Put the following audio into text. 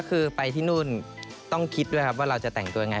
คือไปที่นู่นต้องคิดด้วยครับว่าเราจะแต่งตัวยังไง